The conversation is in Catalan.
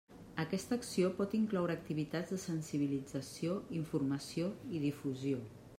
Aquesta acció pot incloure activitats de sensibilització, informació i difusió.